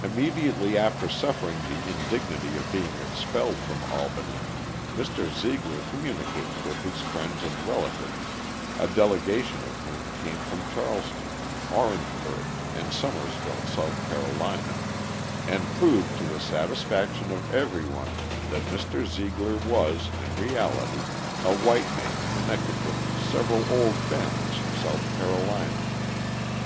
Immediately after suffering the indignity of being expelled from Albany, Mr. Zeigler communicated with his friends and relatives, a delegation of whom came from Charleston, Orangeburg, and Summerville, S. C. and proved to the satisfaction of everyone that Mr. Zeigler was, in reality, a white man connected with several old families of South Carolina.